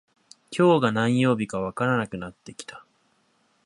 今日が何曜日かわからなくなってきた